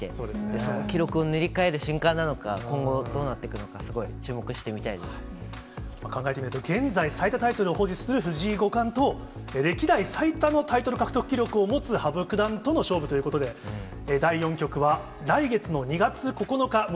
その記録を塗り替える瞬間なのか、今後、どうなっていくのか、考えてみると、現在最多タイトルを保持する藤井五冠と、歴代最多のタイトル獲得記録を持つ羽生九段との勝負ということで、うわ！